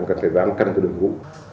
cần thời gian mà cần cái đường vũ